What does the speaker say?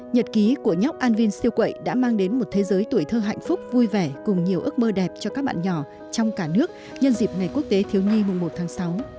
nhật ký của nhóc anvin siêu quẩy đã mang đến một thế giới tuổi thơ hạnh phúc vui vẻ cùng nhiều ước mơ đẹp cho các bạn nhỏ trong cả nước nhân dịp ngày quốc tế thiếu nhi mùng một tháng sáu